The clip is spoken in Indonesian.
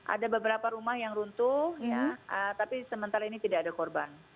ada beberapa rumah yang runtuh tapi sementara ini tidak ada korban